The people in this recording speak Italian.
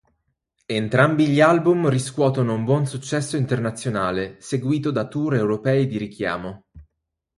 Entrambi gli album riscuotono un buon successo internazionale, seguìto da tour europei di richiamo.